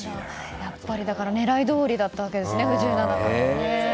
狙いどおりだったわけですね藤井七冠の。